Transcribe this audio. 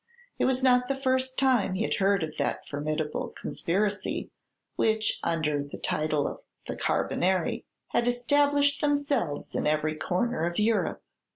It was not the first time he had heard of that formidable conspiracy, which, under the title of the Carbonari, had established themselves in every corner of Europe.